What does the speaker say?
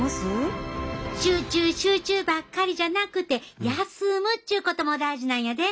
集中集中ばっかりじゃなくて休むっちゅうことも大事なんやで。